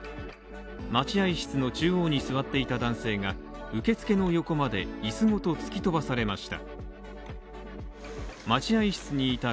待合室の中央に座っていた男性が、受付の横まで椅子ごと突き飛ばされました。